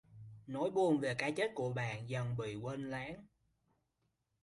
Nỗi buồn về cái chết của bạn dần bị quên lãng